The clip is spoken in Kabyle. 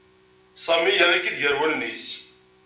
Sami yerra-k-id gar wallen-is.